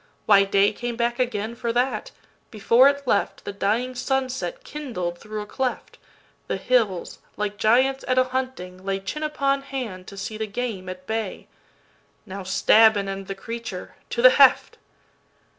—Why, dayCame back again for that! before it left, The dying sunset kindled through a cleft:The hills, like giants at a hunting, lay, Chin upon hand, to see the game at bay,—"Now stab and end the creature—to the heft!"